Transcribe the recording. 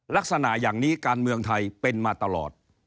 ลักษณะอย่างนี้การเมืองไทยเป็นมาตลอด